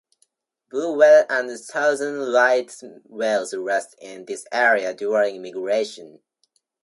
Blue whale and Southern right whales rest in this area during migration.